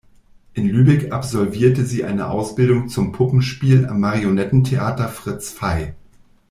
In Lübeck absolvierte sie eine Ausbildung zum Puppenspiel am Marionettentheater Fritz Fey.